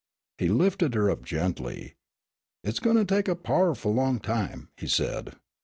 He lifted her up gently. "It's gwine to tek a pow'ful long time," he said.